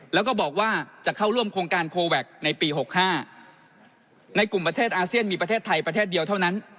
แล้วก็บอกว่าจะเข้าร่วมโครงการโคแวคในปี๖๕ในกลุ่มประเทศอาเซียนมีประเทศไทยประเทศเดียวเท่านั้น